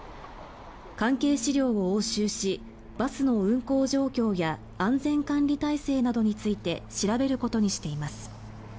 関係資料を押収しバスの運行状況や安全管理体制などについて調べることにしています。